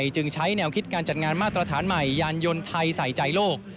จึงใช้แนวคิดการจัดงานมาตรฐานใหม่ยานยนต์ไทยใส่ใจโลก